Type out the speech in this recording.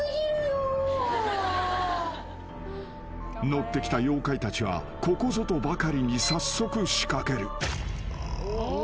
［乗ってきた妖怪たちはここぞとばかりに早速仕掛ける］